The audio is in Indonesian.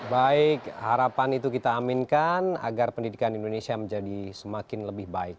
baik harapan itu kita aminkan agar pendidikan indonesia menjadi semakin lebih baik